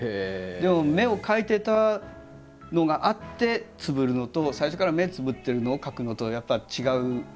でも目を描いてたのがあってつぶるのと最初から目つぶってるのを描くのとはやっぱり違うはずなんですよ何か。